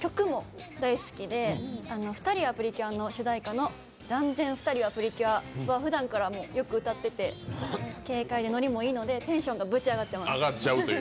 曲も大好きで、「ふたりはプリキュア」の主題歌の「ＤＡＮＺＥＮ！ふたりはプリキュア」はふだんからよく歌ってて軽快でノリもいいのでテンションがぶち上がってます。